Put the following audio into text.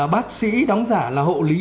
bác sĩ đóng giả là hộ lý